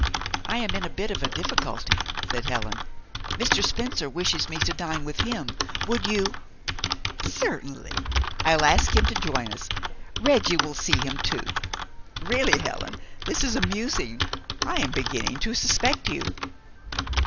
"I am in a bit of difficulty," said Helen. "Mr. Spencer wishes me to dine with him. Would you " "Certainly. I'll ask him to join us. Reggie will see him too. Really, Helen, this is amusing. I am beginning to suspect you."